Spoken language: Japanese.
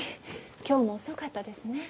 今日も遅かったですね